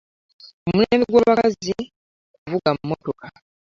Omulembe gwa'bakazi kiwuga motoka.